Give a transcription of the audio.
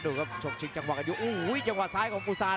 ดูครับชกชิ้นจังหวะโหยิ่วจังหวะซ้ายของปุตรศาล